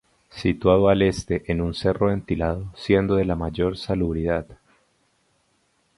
Situado al este en un cerro ventilado, siendo de la mayor salubridad.